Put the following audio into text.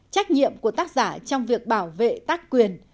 trách nhiệm của tác giả trong việc bảo vệ tác quyền